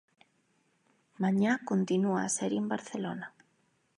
Mañá continúa a serie en Barcelona.